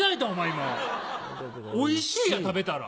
今「おいしい」や食べたら。